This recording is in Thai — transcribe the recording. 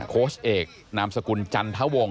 โค้ชเอกนามสกุลจันทวงศ